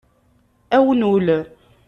Awnul